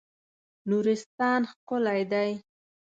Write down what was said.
نورستان ښکلی دی.